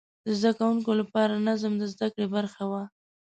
د زده کوونکو لپاره نظم د زده کړې برخه وه.